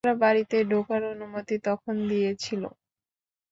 তাছাড়া বাড়িতে ঢোকার অনুমতি যখন দিয়েছেন।